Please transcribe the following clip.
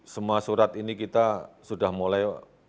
semua surat ini kita sudah mulai